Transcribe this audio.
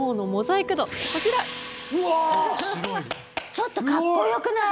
ちょっとかっこよくない？